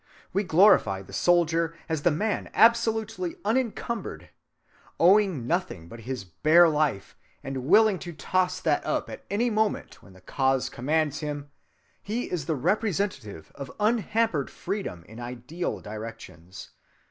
We glorify the soldier as the man absolutely unencumbered. Owning nothing but his bare life, and willing to toss that up at any moment when the cause commands him, he is the representative of unhampered freedom in ideal directions.